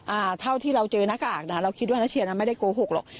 อ่าเท่าที่เราเจอหน้ากากนะคะเราคิดว่านักเชียร์น่ะไม่ได้โกหกหรอก